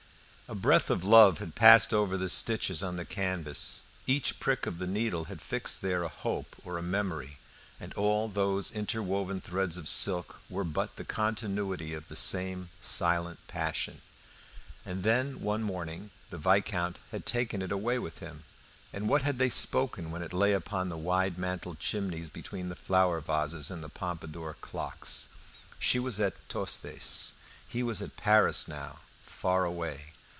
A breath of love had passed over the stitches on the canvas; each prick of the needle had fixed there a hope or a memory, and all those interwoven threads of silk were but the continuity of the same silent passion. And then one morning the Viscount had taken it away with him. Of what had they spoken when it lay upon the wide mantelled chimneys between flower vases and Pompadour clocks? She was at Tostes; he was at Paris now, far away!